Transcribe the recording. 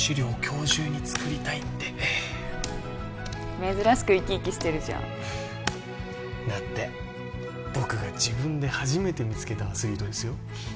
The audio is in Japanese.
今日中に作りたいんで珍しく生き生きしてるじゃんだって僕が自分で初めて見つけたアスリートですよ